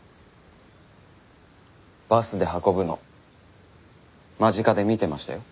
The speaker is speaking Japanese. バスで運ぶの間近で見てましたよ。